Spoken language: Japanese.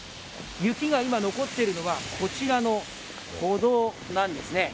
雪が今残っているのはこちらの歩道なんですね。